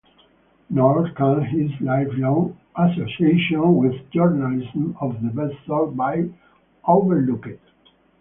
Nor can his lifelong association with journalism of the best sort be overlooked.